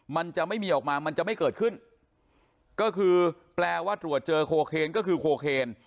มันจะไม่มีออกมามันจะไม่เกิดขึ้นก็คือแปลว่าตรวจเจอโคเคนก็คือโคเคน